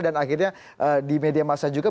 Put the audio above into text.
dan akhirnya di media massa juga